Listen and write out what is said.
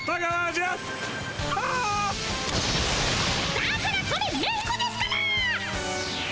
だからそれメンコですから！